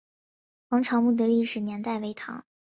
王潮墓的历史年代为唐。